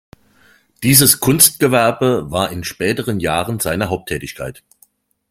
Dieses Kunstgewerbe war in späteren Jahren seine Haupttätigkeit.